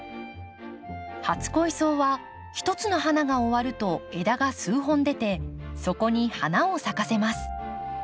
初恋草は一つの花が終わると枝が数本出てそこに花を咲かせます。